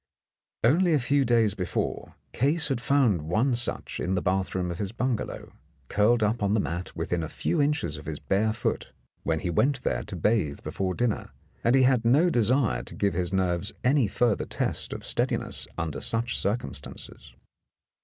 Only a few days before, Case had found one such in the bathroom of his bungalow, curled up on the mat within a few inches of his bare foot, when he went there to bathe before dinner, and he had no desire to give his nerves any further test of steadiness under such circumstances.